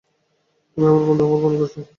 তুমি আমার বন্ধু হওয়ার ভান করছো!